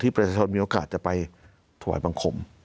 ประชาชนมีโอกาสจะไปถวายบังคม